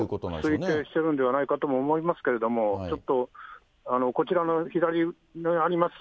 推定しているのではないかと思いますけれども、ちょっと、こちらの左にあります